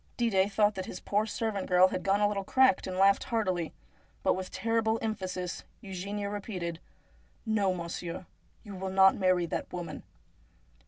Didet thought that his poor old servant had got a little cracked, and laughed heartily. But with terrible emphasis Eugenia repeated :' No, monsieur, you shall not marry that woman.'